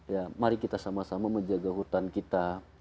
ya mari kita sama sama menjaga hutan kita